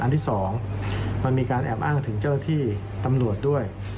ที่๒มันมีการแอบอ้างถึงเจ้าหน้าที่ตำรวจด้วย